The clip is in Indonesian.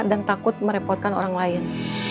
dan takut merepotkan orang lain